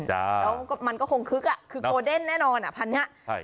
แล้วมันก็คงคึกคือโกเด้นแน่นอนพันธุ์นี้